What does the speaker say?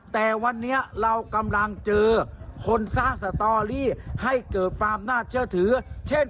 แต่วันนี้เรากำลังเจอคนสร้างสตอรี่ให้เกิดความน่าเชื่อถือเช่น